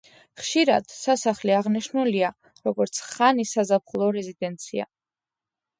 ხშირად, სასახლე აღნიშნულია, როგორც ხანის საზაფხულო რეზიდენცია.